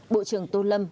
bộ trưởng tô lâm